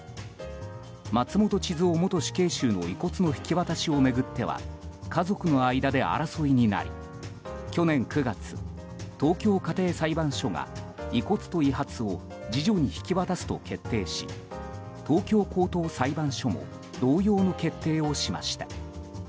松本智津夫元死刑囚の遺骨の引き渡しを巡っては家族の間で争いになり去年９月、東京家庭裁判所が遺骨と遺髪を次女に引き渡すと決定し東京高等裁判所も同様の決定をしました。